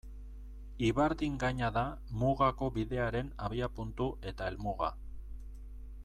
Ibardin gaina da Mugako Bidearen abiapuntu eta helmuga.